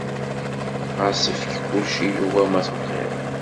Ɣas efk kullec i Yuba ma tebɣiḍ.